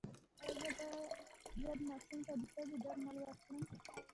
ایا زه باید ماشوم ته د تبې درمل ورکړم؟